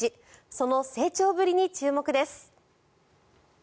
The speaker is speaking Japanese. その成長ぶりに注目です。